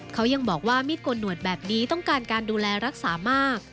เขายังบอกว่ามีดโกนหนวดแบบนี้ต้องการการดูแลรักษามาก